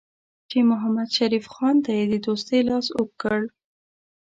چې محمدشریف خان ته یې د دوستۍ لاس اوږد کړ.